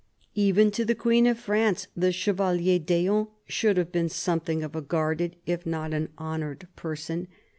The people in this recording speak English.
Even to the Queen of France, the Chevalier d'Eon should have been something of a guarded, if not an honoured, person.